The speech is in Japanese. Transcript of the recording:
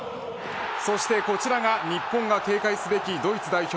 そしてこちらが日本が警戒すべきドイツ代表